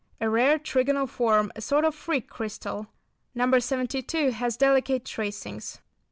A rare trigonal form, a sort of "freak" crystal. No. 72 has delicate tracings. No.